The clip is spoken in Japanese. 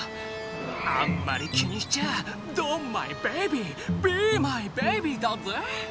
あんまり気にしちゃドンマイベイビービーマイベイビーだぜ。